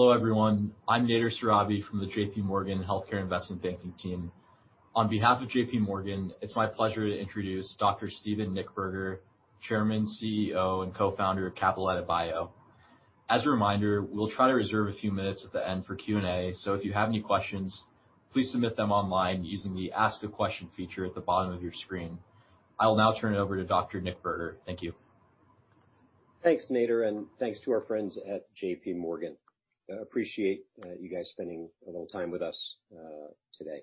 Hello, everyone. I'm Nader Sarabi from the JPMorgan Healthcare Investment Banking team. On behalf of JPMorgan, it's my pleasure to introduce Dr. Steven Nichtberger, Chairman, CEO, and Co-Founder of Cabaletta Bio. As a reminder, we'll try to reserve a few minutes at the end for Q&A. If you have any questions, please submit them online using the Ask a Question feature at the bottom of your screen. I will now turn it over to Dr. Nichtberger. Thank you. Thanks, Nader, and thanks to our friends at JPMorgan. Appreciate you guys spending a little time with us today.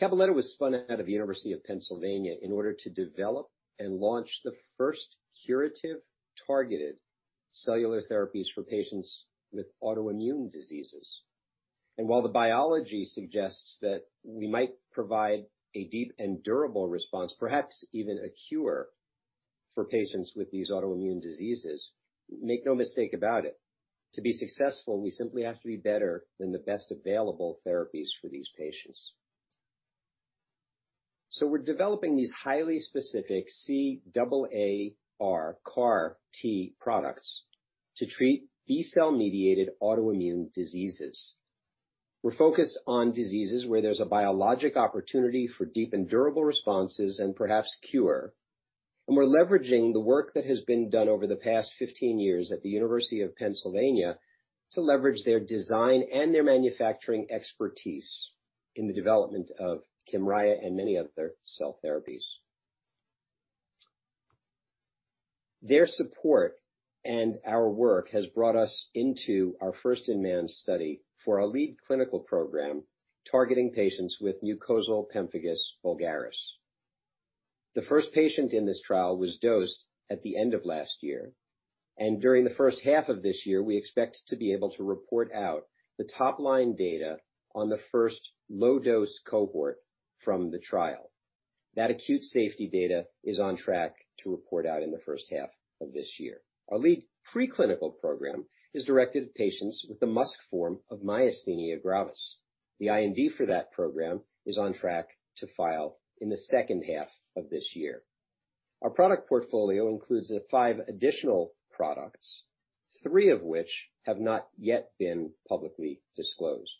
Cabaletta was spun out of the University of Pennsylvania in order to develop and launch the first curative targeted cellular therapies for patients with autoimmune diseases. While the biology suggests that we might provide a deep and durable response, perhaps even a cure for patients with these autoimmune diseases, make no mistake about it, to be successful, we simply have to be better than the best available therapies for these patients. We're developing these highly specific C-A-A-R, CAAR T products to treat B cell-mediated autoimmune diseases. We're focused on diseases where there's a biologic opportunity for deep and durable responses, and perhaps cure. We're leveraging the work that has been done over the past 15 years at the University of Pennsylvania to leverage their design and their manufacturing expertise in the development of KYMRIAH and many other cell therapies. Their support and our work has brought us into our first-in-man study for our lead clinical program targeting patients with mucosal pemphigus vulgaris. The first patient in this trial was dosed at the end of last year, and during the first half of this year, we expect to be able to report out the top-line data on the first low-dose cohort from the trial. That acute safety data is on track to report out in the first half of this year. Our lead preclinical program is directed at patients with the MuSK form of myasthenia gravis. The IND for that program is on track to file in the second half of this year. Our product portfolio includes five additional products, three of which have not yet been publicly disclosed.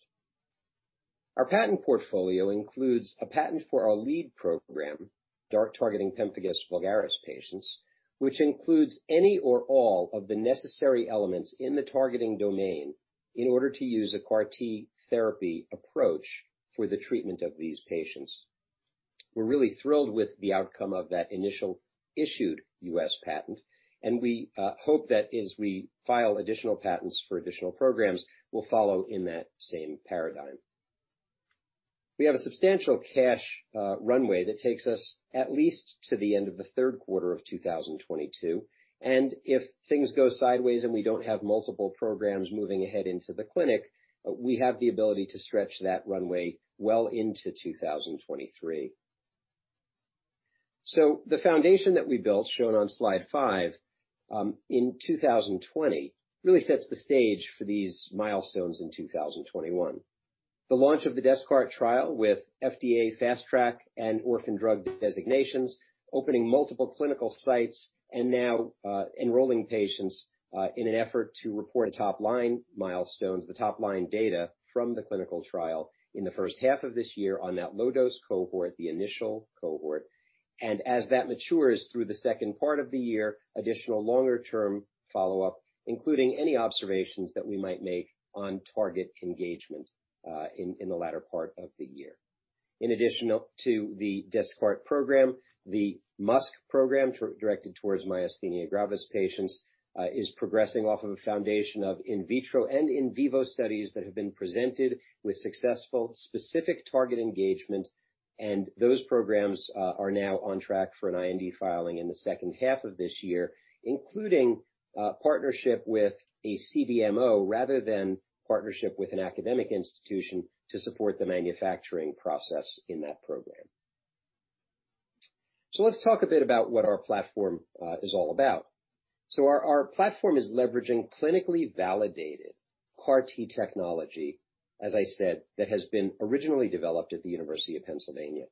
Our patent portfolio includes a patent for our lead program, DART, targeting pemphigus vulgaris patients, which includes any or all of the necessary elements in the targeting domain in order to use a CAAR T therapy approach for the treatment of these patients. We're really thrilled with the outcome of that initial issued U.S. patent. We hope that as we file additional patents for additional programs, we'll follow in that same paradigm. We have a substantial cash runway that takes us at least to the end of the third quarter of 2022. If things go sideways and we don't have multiple programs moving ahead into the clinic, we have the ability to stretch that runway well into 2023. The foundation that we built, shown on slide five, in 2020 really sets the stage for these milestones in 2021. The launch of the DesCAARTes trial with FDA Fast Track and Orphan Drug Designations, opening multiple clinical sites and now enrolling patients in an effort to report top-line milestones, the top-line data from the clinical trial in the first half of this year on that low-dose cohort, the initial cohort. As that matures through the second part of the year, additional longer-term follow-up, including any observations that we might make on target engagement, in the latter part of the year. In addition to the DesCAARTes program, the MuSK program directed towards myasthenia gravis patients, is progressing off of a foundation of in-vitro and in-vivo studies that have been presented with successful specific target engagement, and those programs are now on track for an IND filing in the second half of this year, including partnership with a CDMO rather than partnership with an academic institution to support the manufacturing process in that program. Let's talk a bit about what our platform is all about. Our platform is leveraging clinically validated CAR T technology, as I said, that has been originally developed at the University of Pennsylvania.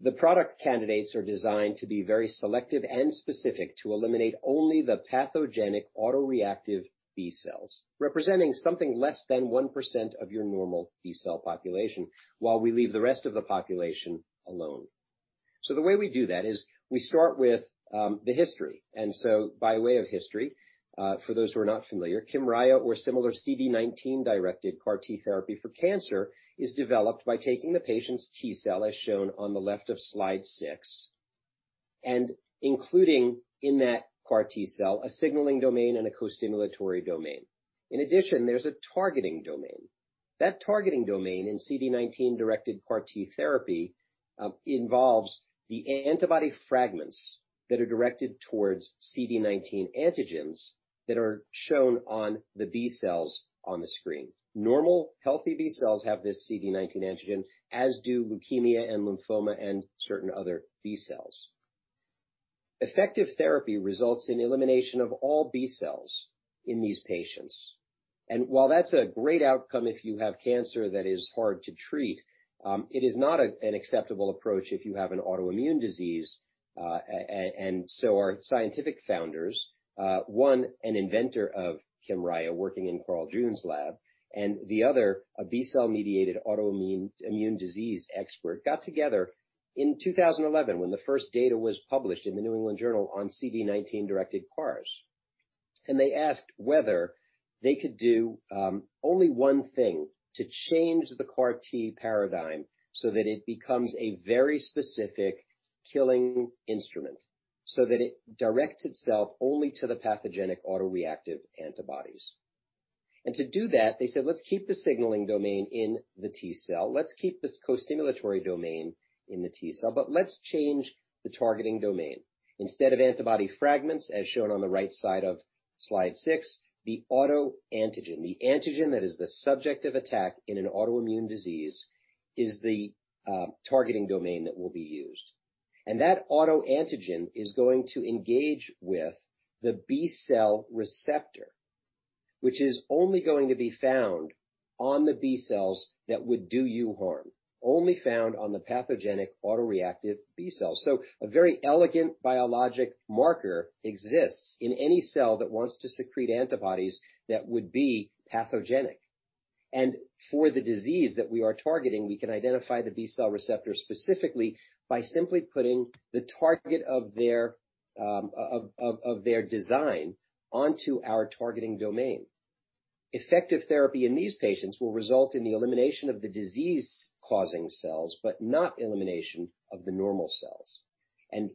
The product candidates are designed to be very selective and specific to eliminate only the pathogenic autoreactive B cells, representing something less than 1% of your normal B cell population, while we leave the rest of the population alone. The way we do that is we start with the history. By way of history, for those who are not familiar, KYMRIAH or similar CD19-directed CAR T therapy for cancer is developed by taking the patient's T cell, as shown on the left of slide six, and including in that CAR T cell a signaling domain and a costimulatory domain. In addition, there's a targeting domain. That targeting domain in CD19-directed CAR T therapy involves the antibody fragments that are directed towards CD19 antigens that are shown on the B cells on the screen. Normal, healthy B cells have this CD19 antigen, as do leukemia and lymphoma and certain other B cells. Effective therapy results in elimination of all B cells in these patients. While that's a great outcome if you have cancer that is hard to treat, it is not an acceptable approach if you have an autoimmune disease and so our scientific founders, one, an inventor of KYMRIAH working in Carl June's lab, and the other, a B-cell-mediated autoimmune disease expert, got together in 2011 when the first data was published in the New England Journal on CD19-directed CARs. They asked whether they could do only one thing to change the CAR T paradigm so that it becomes a very specific killing instrument, so that it directs itself only to the pathogenic autoreactive antibodies. To do that, they said, let's keep the signaling domain in the T-cell, let's keep this co-stimulatory domain in the T-cell, but let's change the targeting domain. Instead of antibody fragments, as shown on the right side of slide six, the auto antigen, the antigen that is the subject of attack in an autoimmune disease, is the targeting domain that will be used. That auto antigen is going to engage with the B-cell receptor, which is only going to be found on the B cells that would do you harm, only found on the pathogenic autoreactive B cells. A very elegant biologic marker exists in any cell that wants to secrete antibodies that would be pathogenic. For the disease that we are targeting, we can identify the B-cell receptor specifically by simply putting the target of their design onto our targeting domain. Effective therapy in these patients will result in the elimination of the disease-causing cells, but not elimination of the normal cells.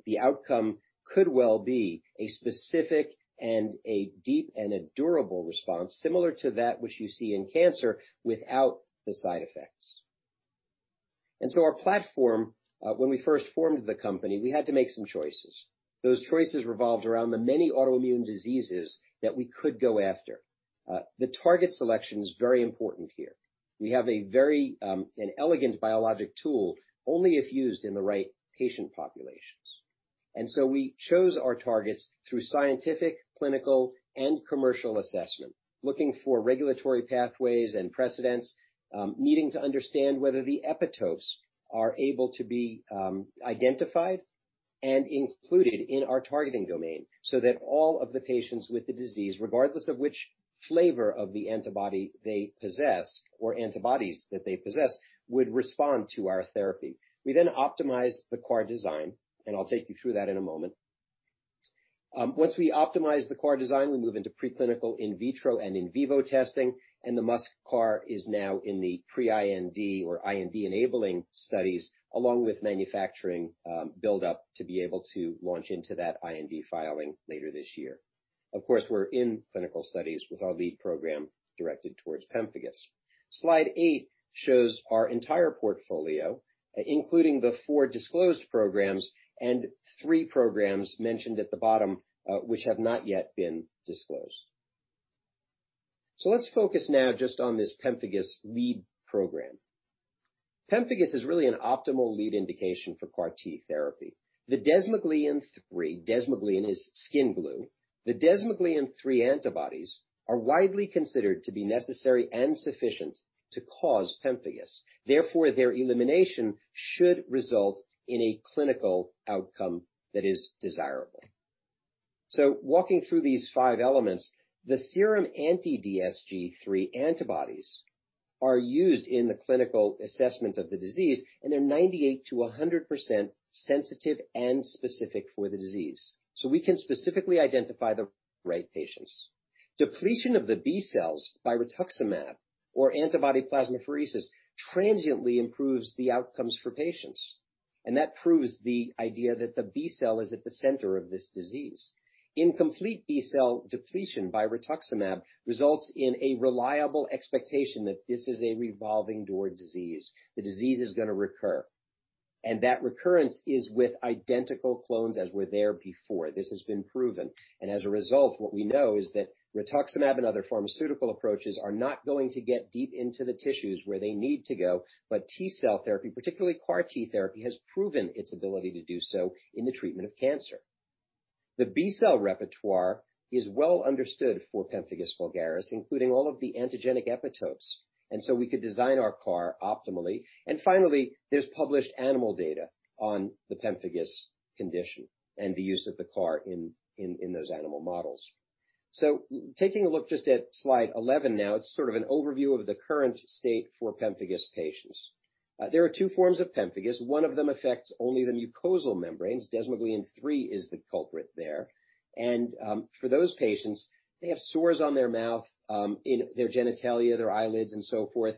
The outcome could well be a specific and a deep and a durable response similar to that which you see in cancer without the side effects. Our platform, when we first formed the company, we had to make some choices. Those choices revolved around the many autoimmune diseases that we could go after. The target selection is very important here. We have a very elegant biologic tool only if used in the right patient populations. We chose our targets through scientific, clinical, and commercial assessment, looking for regulatory pathways and precedents, needing to understand whether the epitopes are able to be identified and included in our targeting domain so that all of the patients with the disease, regardless of which flavor of the antibody they possess or antibodies that they possess, would respond to our therapy. We optimized the CAR design, and I'll take you through that in a moment. Once we optimize the CAR design, we move into preclinical in vitro and in vivo testing, and the MuSK-CAART is now in the pre-IND or IND-enabling studies, along with manufacturing buildup to be able to launch into that IND filing later this year. Of course, we're in clinical studies with our lead program directed towards pemphigus. Slide eight shows our entire portfolio, including the four disclosed programs and three programs mentioned at the bottom, which have not yet been disclosed. Let's focus now just on this pemphigus lead program. Pemphigus is really an optimal lead indication for CAR T therapy. The desmoglein-3, desmoglein is skin glue. The desmoglein-3 antibodies are widely considered to be necessary and sufficient to cause pemphigus. Their elimination should result in a clinical outcome that is desirable. Walking through these five elements, the serum anti-DSG3 antibodies are used in the clinical assessment of the disease, and they're 98%-100% sensitive and specific for the disease. We can specifically identify the right patients. Depletion of the B cells by rituximab or antibody plasmapheresis transiently improves the outcomes for patients, and that proves the idea that the B cell is at the center of this disease. Incomplete B cell depletion by rituximab results in a reliable expectation that this is a revolving door disease. The disease is going to recur, and that recurrence is with identical clones as were there before. This has been proven. As a result, what we know is that rituximab and other pharmaceutical approaches are not going to get deep into the tissues where they need to go, but T-cell, specifically, CAR T therapy has proven its ability to do so in the treatment of cancer. The B-cell repertoire is well understood for pemphigus vulgaris, including all of the antigenic epitopes, and so we could design our CAR optimally. Finally, there's published animal data on the pemphigus condition and the use of the CAR in those animal models. Taking a look just at slide 11 now, it's sort of an overview of the current state for pemphigus patients. There are two forms of pemphigus. One of them affects only the mucosal membranes. desmoglein-3 is the culprit there. For those patients, they have sores on their mouth, in their genitalia, their eyelids, and so forth.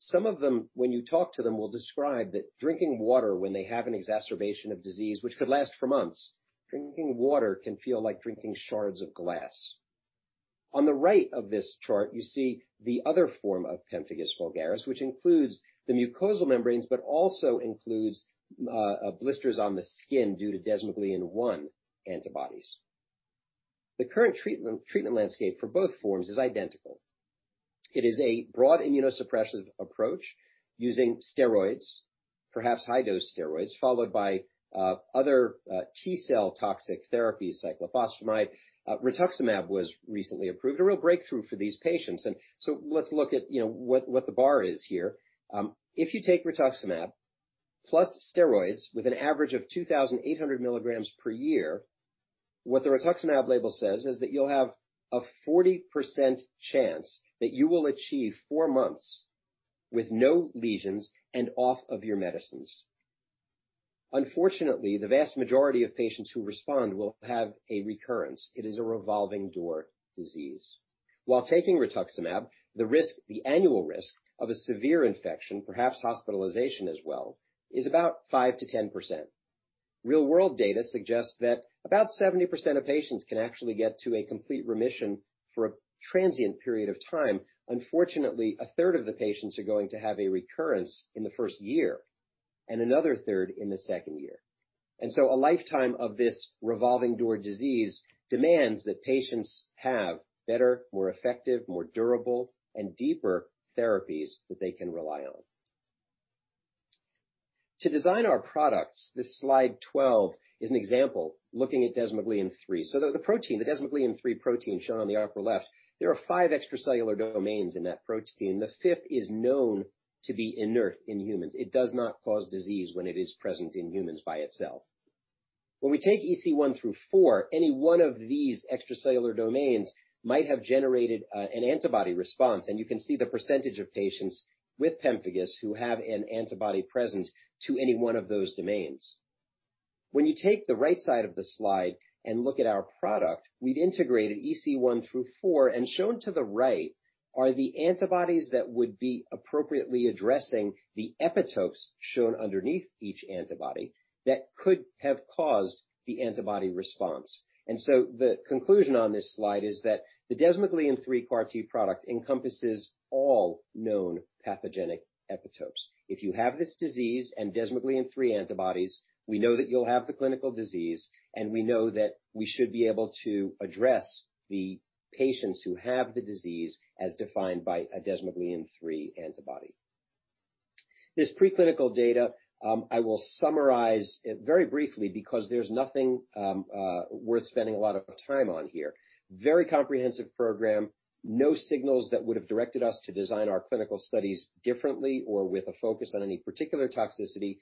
Some of them, when you talk to them, will describe that drinking water when they have an exacerbation of disease, which could last for months, drinking water can feel like drinking shards of glass. On the right of this chart, you see the other form of pemphigus vulgaris, which includes the mucosal membranes but also includes blisters on the skin due to desmoglein-1 antibodies. The current treatment landscape for both forms is identical. It is a broad immunosuppressive approach using steroids, perhaps high-dose steroids, followed by other T-cell-toxic therapies, cyclophosphamide. rituximab was recently approved, a real breakthrough for these patients, so let's look at what the bar is here. If you take rituximab plus steroids with an average of 2,800 mg per year, what the rituximab label says is that you'll have a 40% chance that you will achieve four months with no lesions and off of your medicines. Unfortunately, the vast majority of patients who respond will have a recurrence. It is a revolving door disease. While taking rituximab, the annual risk of a severe infection, perhaps hospitalization as well, is about 5%-10%. Real-world data suggests that about 70% of patients can actually get to a complete remission for a transient period of time. Unfortunately, 1/3 of the patients are going to have a recurrence in the first year, and another 1/3 in the second year. A lifetime of this revolving door disease demands that patients have better, more effective, more durable, and deeper therapies that they can rely on. To design our products, this slide 12 is an example looking at desmoglein-3. The desmoglein-3 protein shown on the upper left, there are five extracellular domains in that protein. The fifth is known to be inert in humans. It does not cause disease when it is present in humans by itself. When we take EC1-4, any one of these extracellular domains might have generated an antibody response, and you can see the percentage of patients with pemphigus who have an antibody present to any one of those domains. When you take the right side of the slide and look at our product, we've integrated EC1-4, and shown to the right are the antibodies that would be appropriately addressing the epitopes shown underneath each antibody that could have caused the antibody response and so the conclusion on this slide is that the desmoglein-3 CAR T product encompasses all known pathogenic epitopes. If you have this disease and desmoglein-3 antibodies, we know that you'll have the clinical disease, and we know that we should be able to address the patients who have the disease as defined by a desmoglein-3 antibody. This preclinical data, I will summarize very briefly because there's nothing worth spending a lot of time on here. Very comprehensive program, no signals that would have directed us to design our clinical studies differently or with a focus on any particular toxicity.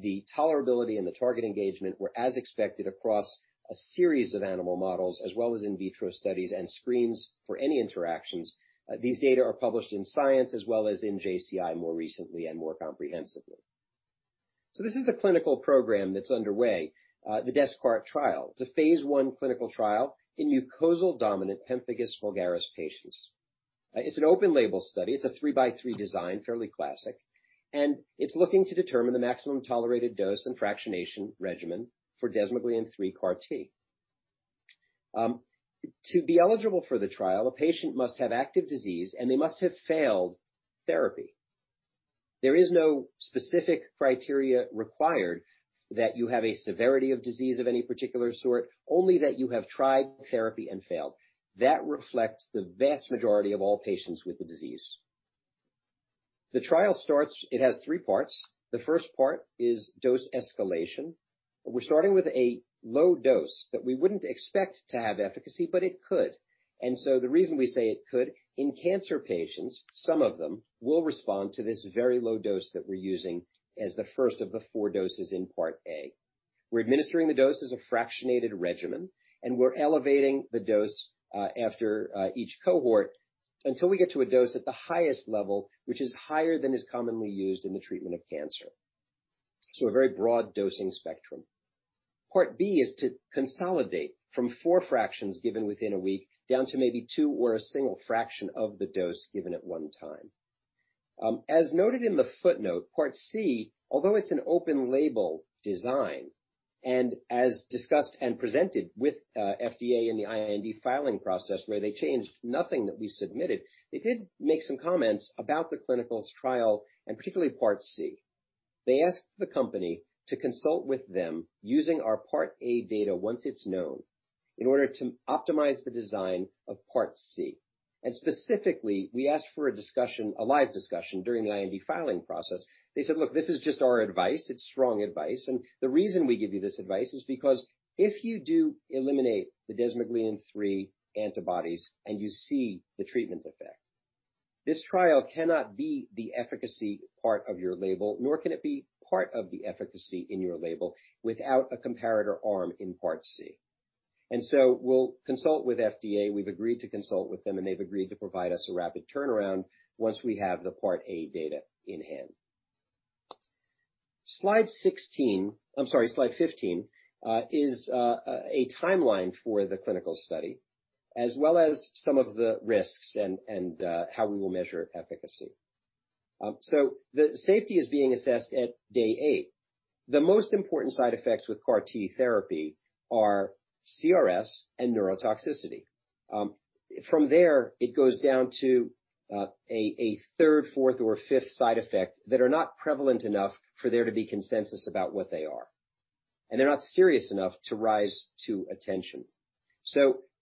The tolerability and the target engagement were as expected across a series of animal models, as well as in vitro studies and screens for any interaction but these data are published in Science, as well as in JCI more recently and more comprehensively. This is the clinical program that's underway, the DesCAARTes trial. It's a phase I clinical trial in mucosal-dominant pemphigus vulgaris patients. It's an open-label study. It's a three-by-three design, fairly classic, and it's looking to determine the maximum tolerated dose and fractionation regimen for desmoglein-3 CAR T. To be eligible for the trial, a patient must have active disease, and they must have failed therapy. There is no specific criteria required that you have a severity of disease of any particular sort, only that you have tried therapy and failed. That reflects the vast majority of all patients with the disease. The trial starts, it has three parts. The first part is dose escalation. We're starting with a low dose that we wouldn't expect to have efficacy, but it could. The reason we say it could, in cancer patients, some of them will respond to this very low dose that we're using as the first of the four doses in part A. We're administering the dose as a fractionated regimen, and we're elevating the dose after each cohort until we get to a dose at the highest level, which is higher than is commonly used in the treatment of cancer, so a very broad dosing spectrum. Part B is to consolidate from four fractions given within a week down to maybe two or a single fraction of the dose given at one time. As noted in the footnote, part C, although it's an open-label design, and as discussed and presented with FDA in the IND filing process where they changed nothing that we submitted, they did make some comments about the clinical trial and particularly part C. They asked the company to consult with them using our part A data once it's known in order to optimize the design of part C. Specifically, we asked for a live discussion during the IND filing process. They said, "Look, this is just our advice. It's strong advice. The reason we give you this advice is because if you do eliminate the desmoglein-3 antibodies and you see the treatment effect, this trial cannot be the efficacy part of your label, nor can it be part of the efficacy in your label without a comparator arm in part C." We'll consult with FDA. We've agreed to consult with them, and they've agreed to provide us a rapid turnaround once we have the part A data in hand. Slide 16, I'm sorry, slide 15, is a timeline for the clinical study, as well as some of the risks and how we will measure efficacy. The safety is being assessed at day eight. The most important side effects with CAR T therapy are CRS and neurotoxicity. From there, it goes down to a third, fourth, or fifth side effect that are not prevalent enough for there to be consensus about what they are. They're not serious enough to rise to attention.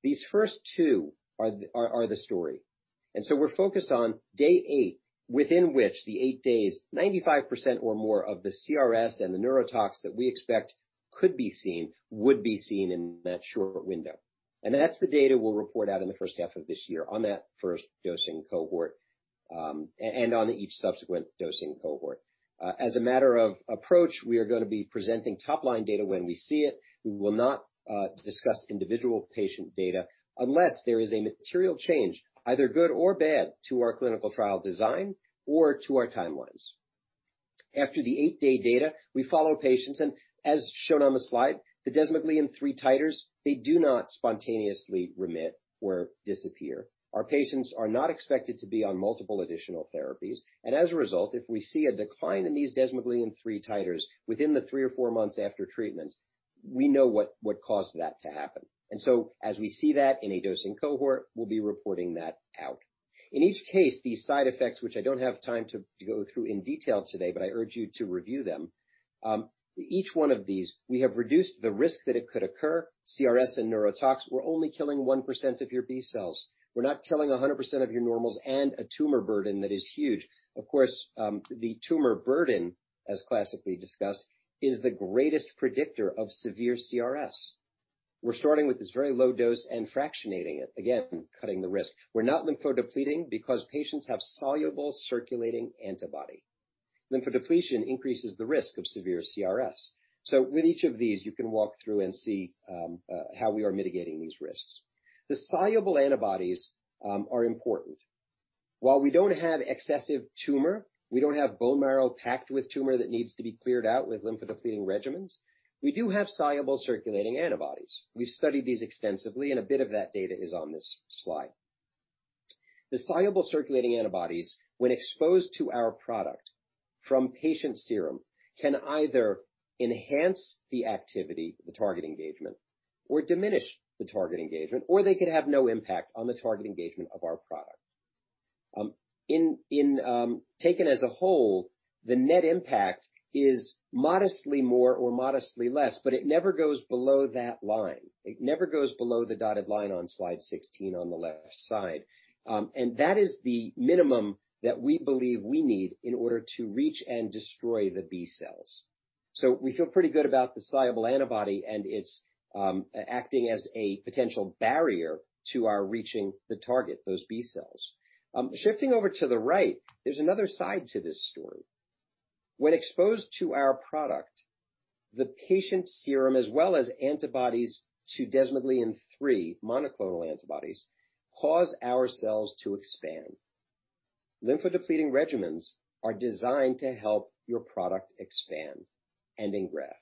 These first two are the story. We're focused on day eight, within which the eight days, 95% or more of the CRS and the neurotox that we expect could be seen would be seen in that short window. That's the data we'll report out in the first half of this year on that first dosing cohort and on each subsequent dosing cohort. As a matter of approach, we are going to be presenting top-line data when we see it. We will not discuss individual patient data unless there is a material change, either good or bad, to our clinical trial design or to our timelines. After the eight-day data, we follow patients, and as shown on the slide, the desmoglein-3 titers, they do not spontaneously remit or disappear. Our patients are not expected to be on multiple additional therapies. As a result, if we see a decline in these desmoglein-3 titers within the three or four months after treatment, we know what caused that to happen. As we see that in a dosing cohort, we'll be reporting that out. In each case, these side effects, which I don't have time to go through in detail today, but I urge you to review them Each one of these, we have reduced the risk that it could occur. CRS and neurotox, we're only killing 1% of your B cells. We're not killing 100% of your normals and a tumor burden that is huge. Of corse, the tumor burden, as classically discussed, is the greatest predictor of severe CRS. We're starting with this very low dose and fractionating it, again, cutting the risk. We're not lymphodepleting because patients have soluble circulating antibody. Lymphodepletion increases the risk of severe CRS. With each of these, you can walk through and see how we are mitigating these risks. The soluble antibodies are important. While we don't have excessive tumor, we don't have bone marrow packed with tumor that needs to be cleared out with lymphodepleting regimens, we do have soluble circulating antibodies. We've studied these extensively, and a bit of that data is on this slide. The soluble circulating antibodies, when exposed to our product from patient serum, can either enhance the activity, the target engagement, or diminish the target engagement, or they could have no impact on the target engagement of our product. Taken as a whole, the net impact is modestly more or modestly less, but it never goes below that line. It never goes below the dotted line on slide 16 on the left side. That is the minimum that we believe we need in order to reach and destroy the B cells. We feel pretty good about the soluble antibody and its acting as a potential barrier to our reaching the target, those B cells. Shifting over to the right, there's another side to this story. When exposed to our product, the patient's serum, as well as antibodies to desmoglein-3, monoclonal antibodies, cause our cells to expand. Lymphodepleting regimens are designed to help your product expand and engraft.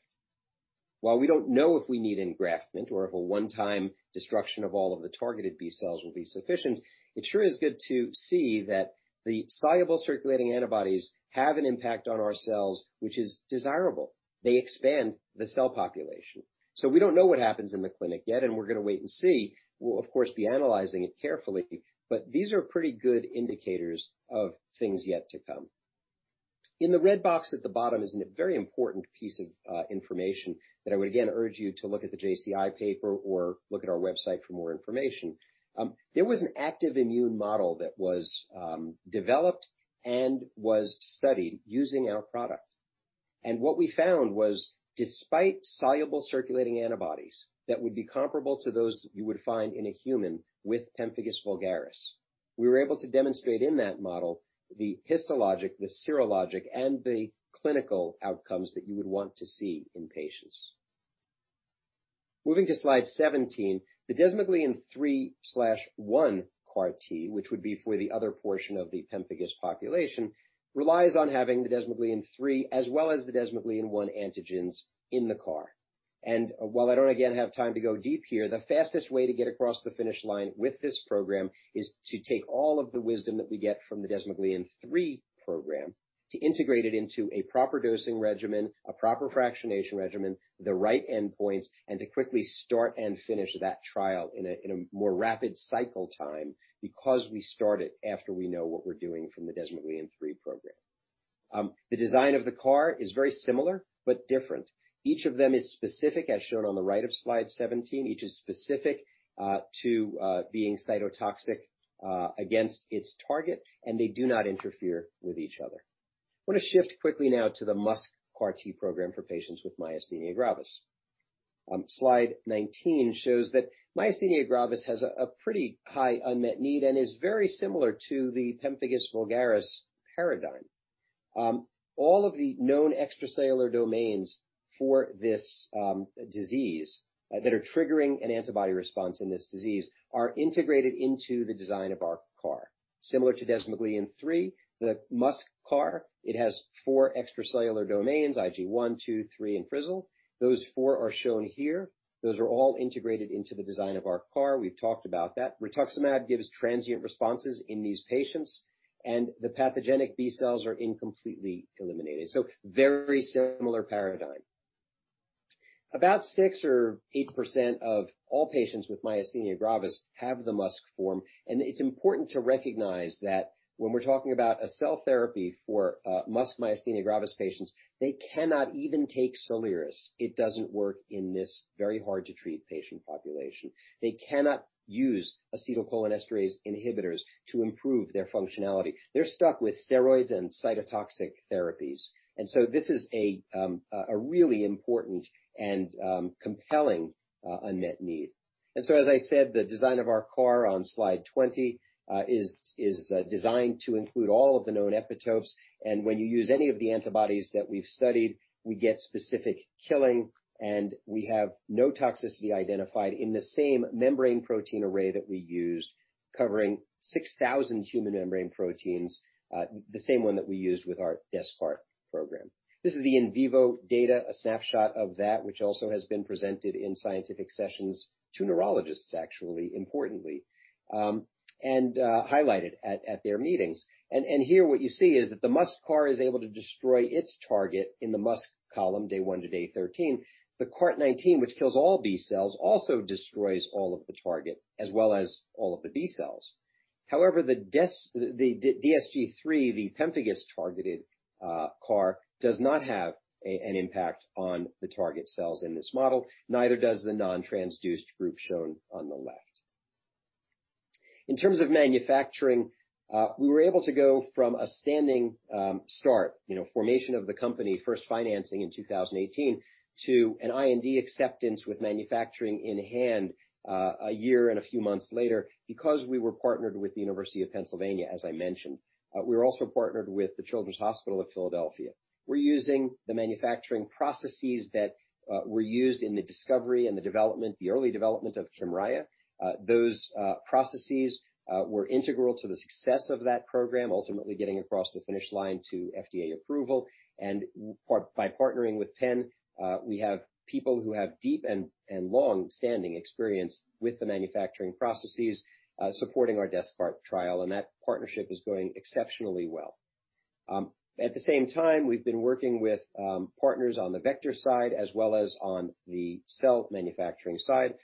While we don't know if we need engraftment or if a one-time destruction of all of the targeted B cells will be sufficient, it sure is good to see that the soluble circulating antibodies have an impact on our cells, which is desirable. They expand the cell population. We don't know what happens in the clinic yet, and we're going to wait and see. We'll, of course, be analyzing it carefully, but these are pretty good indicators of things yet to come. In the red box at the bottom is a very important piece of information that I would again urge you to look at the JCI paper or look at our website for more information. There was an active immune model that was developed and was studied using our product. What we found was despite soluble circulating antibodies that would be comparable to those that you would find in a human with pemphigus vulgaris, we were able to demonstrate in that model the histologic, the serologic, and the clinical outcomes that you would want to see in patients. Moving to slide 17, the desmoglein-3/1 CAR T, which would be for the other portion of the pemphigus population, relies on having the desmoglein-3 as well as the desmoglein-1 antigens in the CAR. While I don't again have time to go deep here, the fastest way to get across the finish line with this program is to take all of the wisdom that we get from the desmoglein-3 program to integrate it into a proper dosing regimen, a proper fractionation regimen, the right endpoints, and to quickly start and finish that trial in a more rapid cycle time because we start it after we know what we're doing from the desmoglein-3 program. The design of the CAR is very similar but different. Each of them is specific, as shown on the right of slide 17. Each is specific to being cytotoxic against its target, and they do not interfere with each other. I want to shift quickly now to the MuSK CAR T program for patients with myasthenia gravis. Slide 19 shows that myasthenia gravis has a pretty high unmet need and is very similar to the pemphigus vulgaris paradigm. All of the known extracellular domains for this disease that are triggering an antibody response in this disease are integrated into the design of our CAR. Similar to desmoglein-3, the MuSK CAR, it has four extracellular domains, Ig1, 2, 3, and frizzled. Those four are shown here. Those are all integrated into the design of our CAR. We've talked about that. Rituximab gives transient responses in these patients, and the pathogenic B cells are incompletely eliminated, so a very similar paradigm. About 6% or 8% of all patients with myasthenia gravis have the MuSK form, and it's important to recognize that when we're talking about a cell therapy for MuSK myasthenia gravis patients, they cannot even take Soliris. It doesn't work in this very hard-to-treat patient population. They cannot use acetylcholinesterase inhibitors to improve their functionality. They're stuck with steroids and cytotoxic therapies. This is a really important and compelling unmet need. As I said, the design of our CAAR on slide 20 is designed to include all of the known epitopes, and when you use any of the antibodies that we've studied, we get specific killing, and we have no toxicity identified in the same membrane protein array that we used covering 6,000 human membrane proteins, the same one that we used with our DesCAARTes program. This is the in-vivo data, a snapshot of that, which also has been presented in scientific sessions to neurologists, actually, importantly, and highlighted at their meetings. Here what you see is that the MuSK CAAR is able to destroy its target in the MuSK column day one to day 13. The CART19, which kills all B cells, also destroys all of the target as well as all of the B cells. However, the DSG3, the pemphigus-targeted CAR, does not have an impact on the target cells in this model. Neither does the non-transduced group shown on the left. In terms of manufacturing, we were able to go from a standing start, formation of the company first financing in 2018 to an IND acceptance with manufacturing in hand a year and a few months later, because we were partnered with the University of Pennsylvania, as I mentioned. We were also partnered with the Children's Hospital of Philadelphia. We're using the manufacturing processes that were used in the discovery and the early development of KYMRIAH. Those processes were integral to the success of that program, ultimately getting across the finish line to FDA approval. By partnering with Penn, we have people who have deep and longstanding experience with the manufacturing processes supporting our DesCAARTes trial and that partnership is going exceptionally well. At the same time, we've been working with partners on the vector side as well as on the cell manufacturing side.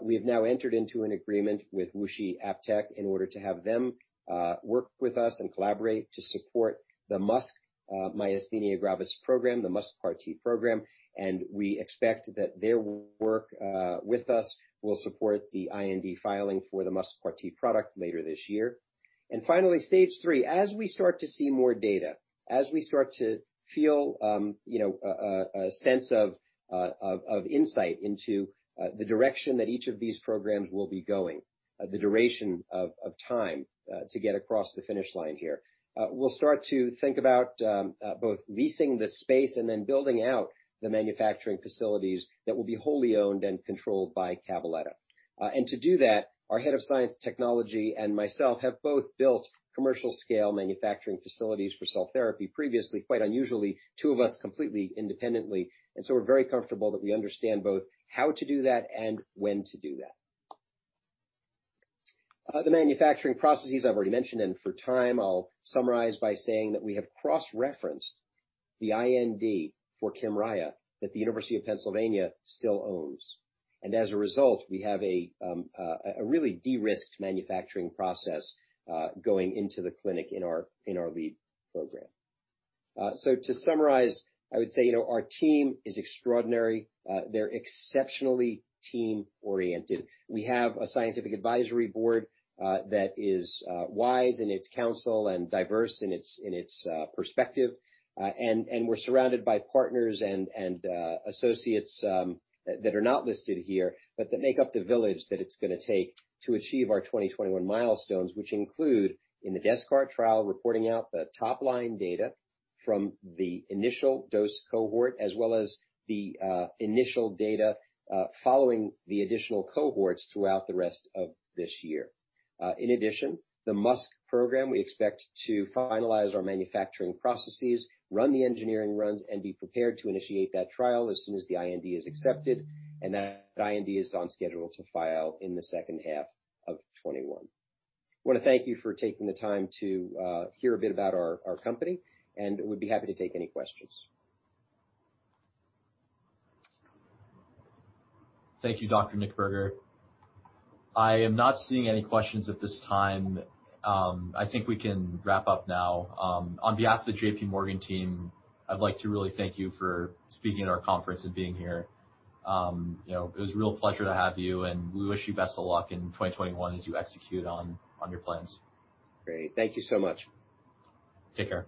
We have now entered into an agreement with WuXi AppTec in order to have them work with us and collaborate to support the MuSK myasthenia gravis program, the MuSK CAR T program. We expect that their work with us will support the IND filing for the MuSK CAR T product later this year. Finally, stage 3, as we start to see more data, as we start to feel a sense of insight into the direction that each of these programs will be going, the duration of time to get across the finish line here, we'll start to think about both leasing the space and then building out the manufacturing facilities that will be wholly owned and controlled by Cabaletta. To do that, our head of science technology and myself have both built commercial-scale manufacturing facilities for cell therapy previously, quite unusually, two of us completely independently. So we're very comfortable that we understand both how to do that and when to do that. The manufacturing processes I've already mentioned, and for time, I'll summarize by saying that we have cross-referenced the IND for KYMRIAH that the University of Pennsylvania still owns and as a result, we have a really de-risked manufacturing process going into the clinic in our lead program. To summarize, I would say our team is extraordinary. They're exceptionally team-oriented. We have a scientific Advisory Board that is wise in its counsel and diverse in its perspective. We're surrounded by partners and associates that are not listed here, but that make up the village that it's going to take to achieve our 2021 milestones, which include in the DesCAARTes trial, reporting out the top-line data from the initial dose cohort, as well as the initial data following the additional cohorts throughout the rest of this year. In addition, the MuSK program, we expect to finalize our manufacturing processes, run the engineering runs, and be prepared to initiate that trial as soon as the IND is accepted, and that IND is on schedule to file in the second half of 2021. I want to thank you for taking the time to hear a bit about our company, and would be happy to take any questions. Thank you, Dr. Nichtberger. I am not seeing any questions at this time. I think we can wrap up now. On behalf of the JPMorgan team, I'd like to really thank you for speaking at our conference and being here. It was a real pleasure to have you, and we wish you best of luck in 2021 as you execute on your plans. Great. Thank you so much. Take care.